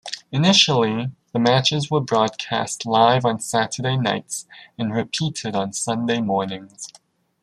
Initially, the matches were broadcast live on Saturday nights and repeated on Sunday mornings.